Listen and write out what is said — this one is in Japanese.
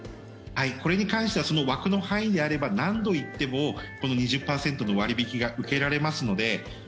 これに関してはその枠の範囲であれば何度行っても２０％の割引が受けられますので。